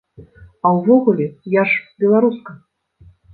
А ўвогуле, я ж беларуска!